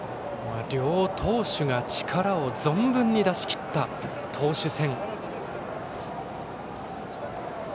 両投手が力を存分に出しきった投手戦。